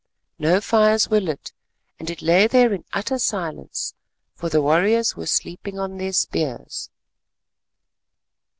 No fires were lit, and it lay there in utter silence, for the warriors were "sleeping on their spears."